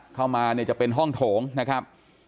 เข้ามาเนี่ยจะเป็นห้องโถงนะครับ